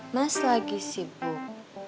mas lagi sibuk